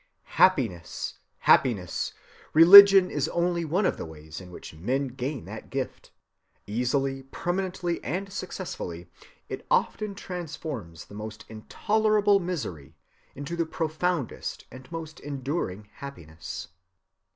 Happiness! happiness! religion is only one of the ways in which men gain that gift. Easily, permanently, and successfully, it often transforms the most intolerable misery into the profoundest and most enduring happiness.